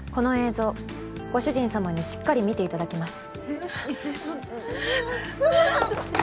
ぞうご主人様にしっかり見ていただきます。